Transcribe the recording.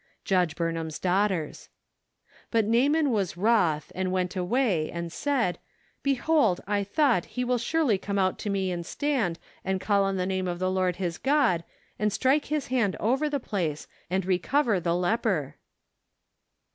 Judge Burnham's Daughters. " But Kaaman was wroth, and went away, and said, Behold, I thought, he will surely come out to me, and stand, and call on the name of the Lord his God, and strike his hand over the place, and recover the leper."